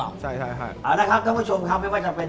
เอาละครับท่านผู้ชมครับไม่ว่าจะเป็น